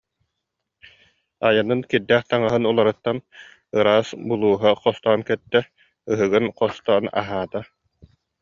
Айанын кирдээх таҥаһын уларыттан, ыраас булууһа хостоон кэттэ, ыһыгын хостоон аһаата